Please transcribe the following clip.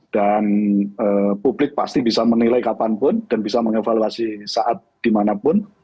dan publik pasti bisa menilai kapanpun dan bisa mengevaluasi saat dimanapun